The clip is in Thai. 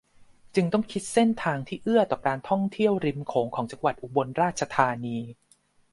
จึงต้องคิดเส้นทางที่เอื้อต่อการท่องเที่ยวริมโขงของจังหวัดอุบลราชธานี